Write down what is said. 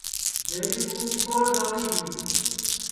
دیوی تُوں کِتوڑ گئوڑی تی